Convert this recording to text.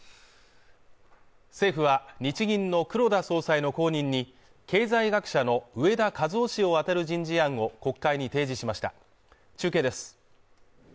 政府は日銀の黒田総裁の後任に経済学者の植田和男氏を充てる人事案を国会に提示しました中継です